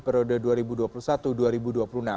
periode dua ribu dua puluh satu dua ribu dua puluh enam